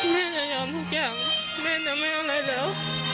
แม่จะยอมทุกอย่างแม่จะไม่เอาอะไรแล้ว